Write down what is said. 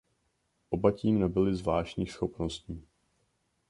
Oba tím nabyli zvláštních schopností.